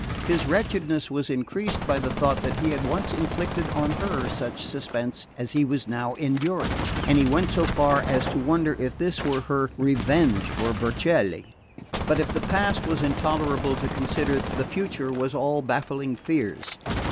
His wretchedness was increased by the thought that he had once inflicted on her such suspense he was now enduring; and he went so far as to wonder if this were her revenge for Vercelli. But if the past was intolerable to consider the future was all baffling fears.